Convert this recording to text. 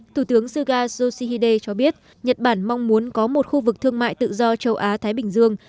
thủ tướng suga yoshihide cho biết nhật bản mong muốn có một khu vực thương mại tự do châu á thái bình dương